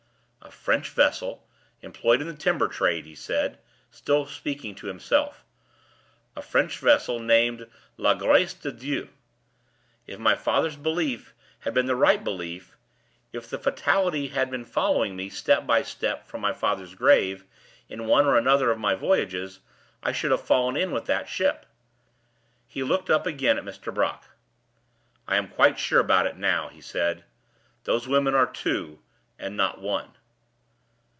"A French vessel, employed in the timber trade," he said, still speaking to himself "a French vessel, named La Grace de Dieu. If my father's belief had been the right belief if the fatality had been following me, step by step, from my father's grave, in one or other of my voyages, I should have fallen in with that ship." He looked up again at Mr. Brock. "I am quite sure about it now," he said. "Those women are two, and not one."